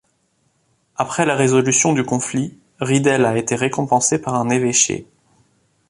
Après la résolution du conflit, Ridel a été récompensé par un évêché.